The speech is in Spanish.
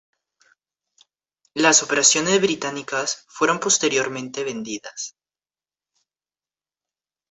Las operaciones británicas fueron posteriormente vendidas.